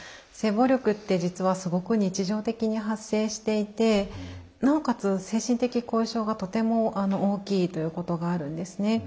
性暴力って実はすごく日常的に発生していてなおかつ精神的後遺症がとても大きいということがあるんですね。